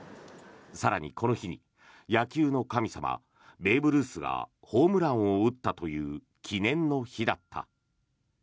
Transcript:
更にこの日に野球の神様、ベーブ・ルースがホームランを打ったという記念の日だった。